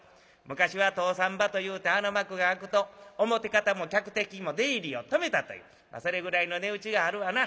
昔は『通さん場』というてあの幕が開くと表方も客席も出入りを止めたというそれぐらいの値打ちがあるわな。